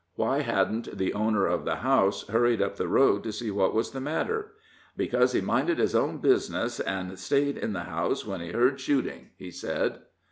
Why hadn't the owner of the house hurried up the road to see what was the matter? Because he minded his own business and staid in the house when he heard shooting, he said.